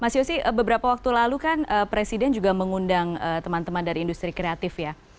mas yosi beberapa waktu lalu kan presiden juga mengundang teman teman dari industri kreatif ya